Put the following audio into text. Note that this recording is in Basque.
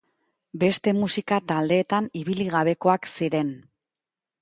Beste musika taldeetan ibili gabekoak ziren.